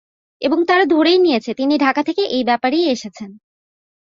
এবং তারা ধরেই নিয়েছে তিনি ঢাকা থেকে এই ব্যাপারেই এসেছেন।